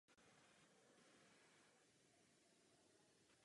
Přeji vám mnoho zdaru.